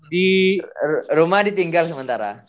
di rumah ditinggal sementara